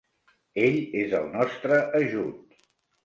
Ell és el nostre ajut.